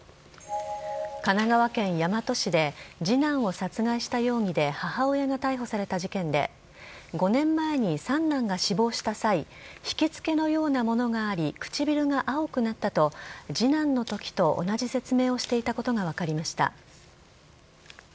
神奈川県大和市で次男を殺害した容疑で母親が逮捕された事件で５年前に三男が死亡した際ひきつけのようなものがあり唇が青くなったと次男の時と同じ説明をしていたことが分かりました。